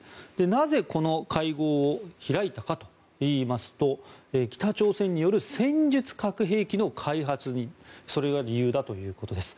なぜ、この会合を開いたかというと北朝鮮による戦術核兵器の開発にそれが理由だということです。